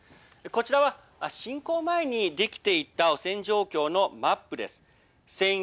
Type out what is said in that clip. こちらは、侵攻前にできていた汚染状況のマップです。